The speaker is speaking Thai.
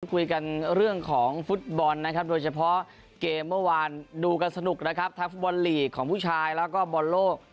คุยกันเรื่องของฟุตบอลนะครับโดยเฉพาะเกมเมื่อวานดูกันสนุกนะครับทั้งฟุตบอลลีกของผู้ชายแล้วก็บอลโลก